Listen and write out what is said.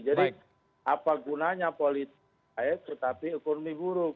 jadi apa gunanya politik baik tetapi ekonomi buruk